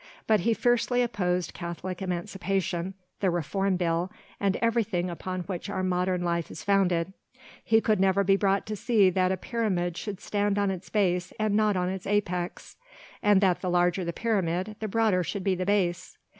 But he fiercely opposed Catholic Emancipation, the Reform Bill, and everything upon which our modern life is founded. He could never be brought to see that a pyramid should stand on its base and not on its apex, and that the larger the pyramid, the broader should be the base.